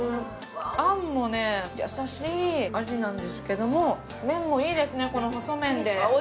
あんもね、優しい味なんですけども麺もいいですね、細麺で。